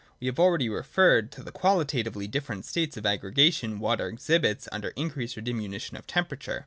We have already referred to the qualitatively different states of aggregation water exhibits under increase or diminution of temperature.